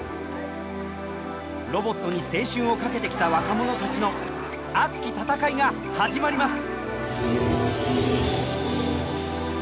ロボットに青春を懸けてきた若者たちの熱き戦いが始まります。